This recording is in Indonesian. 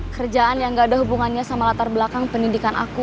kerjaan yang gak ada hubungannya sama latar belakang pendidikan aku